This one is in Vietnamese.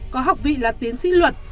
có học vị là tiến sĩ luật